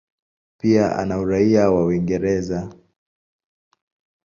Pia ana uraia wa Uingereza.